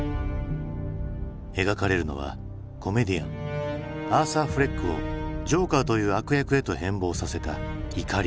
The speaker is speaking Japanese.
描かれるのはコメディアンアーサー・フレックを「ジョーカー」という悪役へと変貌させた「怒り」。